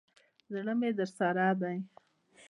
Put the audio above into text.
زړه مي درسره دی.